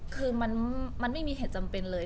คือมันไม่มีเหตุจำเป็นเลย